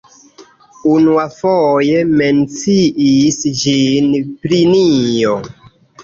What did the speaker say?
Unuafoje menciis ĝin Plinio.